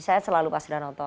saya selalu pak sudarnoto